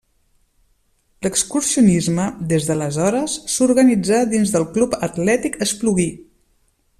L'excursionisme, des d'aleshores s'organitzà dins del Club Atlètic Espluguí.